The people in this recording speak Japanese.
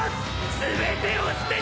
全てを捨てて！！